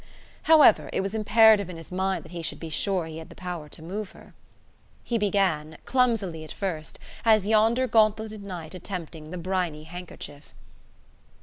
However, it was imperative in his mind that he should be sure he had the power to move her. He began; clumsily at first, as yonder gauntletted knight attempting the briny handkerchief.